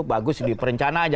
bagus diperencana aja